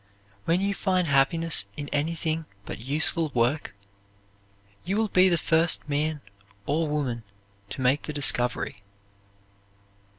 When you find happiness in anything but useful work, you will be the first man or woman to make the discovery.